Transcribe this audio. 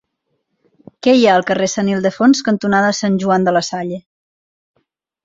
Què hi ha al carrer Sant Ildefons cantonada Sant Joan de la Salle?